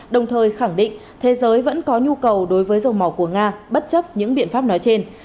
đồng thời khẳng định thế giới vẫn có nhu cầu đối với dầu mỏ của nga bất chấp những biện pháp nói trên